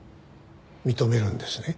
認めるんですね？